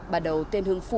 bà đầu tên hưng phạm